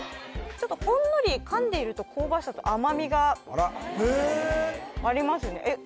ちょっとほんのり噛んでいると香ばしさと甘味がへえありますねえっ